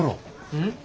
うん？